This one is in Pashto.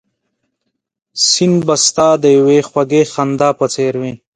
سیند به ستا یوې خوږې خندا په څېر وي